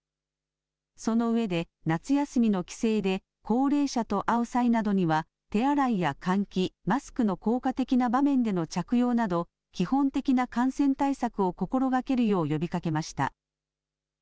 その上で、夏休みの帰省で高齢者と会う際などには、手洗いや換気、マスクの効果的な場面での着用など、基本的な感染対策を心がけるよう呼びかけました。